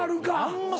あんま